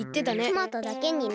トマトだけにね。